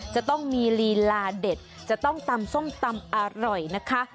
จะต้องมีลีลาเด็ดจะต้องตำส้มตำอร่อยนะคะ